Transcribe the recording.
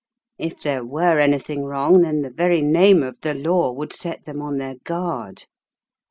If there were anything wrong, then the very name of the law would set them on their guard.